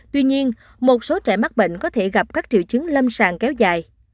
tuy nhiên một số trẻ mắc bệnh có thể gặp các triệu chứng lâm sàng kéo dài